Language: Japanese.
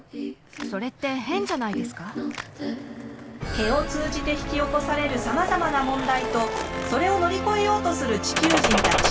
毛を通じて引き起こされるさまざまな問題とそれを乗り越えようとする地球人たち。